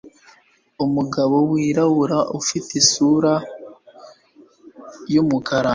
Umugabo wirabura ufite isura ya y umukara